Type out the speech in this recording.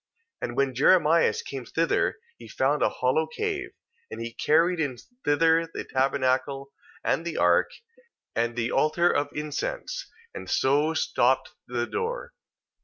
2:5. And when Jeremias came thither he found a hollow cave: and he carried in thither the tabernacle, and the ark, and the altar of incense, and so stopped the door.